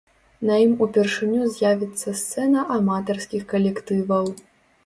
На ім упершыню з'явіцца сцэна аматарскіх калектываў.